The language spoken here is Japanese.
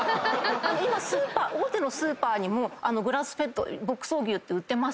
今大手のスーパーにもグラスフェッド牧草牛売ってますし。